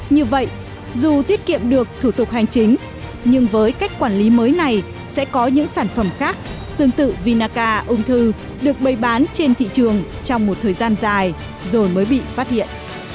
như vậy dù tiết kiệm được thủ tục hành chính nhưng với cách quản lý mới này sẽ có những sản phẩm khác tương tự vinaca ung thư được bày bán trên thị trường trong một thời gian dài rồi mới bị phát hiện